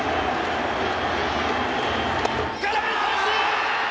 空振り三振！